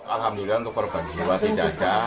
alhamdulillah untuk korban jiwa tidak ada